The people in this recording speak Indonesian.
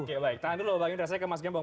oke baik tangan dulu bagi rasanya ke mas gembong